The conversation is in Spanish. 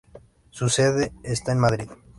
Su sede está en Madrid.